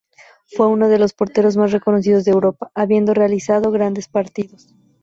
Fue uno de los porteros más reconocidos de Europa, habiendo realizado grandes partidos.